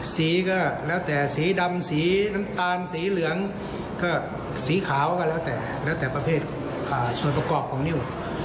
สีก็แล้วแต่สีดำสีน้ำตาลสีเหลืองก็สีขาวก็แล้วแต่แล้วแต่ประเภทส่วนประกอบของนิ้ว